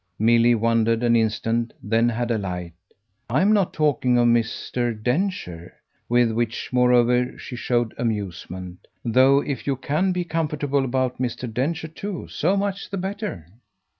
Milly wondered an instant then had a light. "I'm not talking of Mr. Densher." With which moreover she showed amusement. "Though if you can be comfortable about Mr. Densher too so much the better."